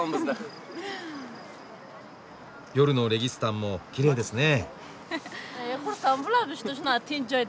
夜のレギスタンもきれいですね。